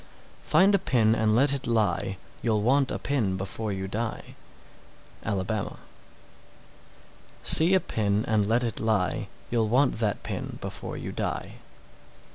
Find a pin and let it lie, You'll want a pin before you die. Alabama. 643. See a pin and let it lie, You'll want that pin before you die.